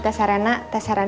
terus gue bakal beliau